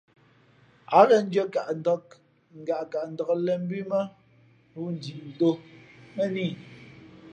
Ǎ ghen ndʉ̄ᾱnkaʼndāk ngaʼkaʼndāk lēn mbū ī mά ghoōndiʼtōʼ mᾱ nά i.